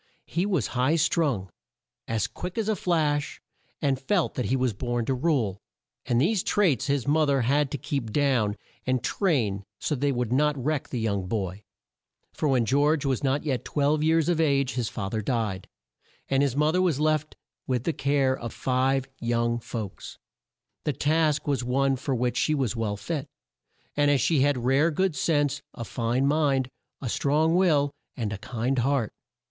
He was high strung, as quick as a flash, and felt that he was born to rule, and these traits his mo ther had to keep down and train so that they would not wreck the young boy, for when George was not yet twelve years of age his fa ther died, and his mo ther was left with the care of five young folks. The task was one for which she was well fit, as she had rare good sense, a fine mind, a strong will, and a kind heart.